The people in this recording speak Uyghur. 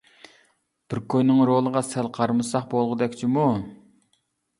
بىر كوينىڭ رولىغا سەل قارىمىساق بولغۇدەك جۇمۇ.